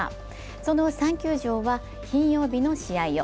その３球場は金曜日の試合を。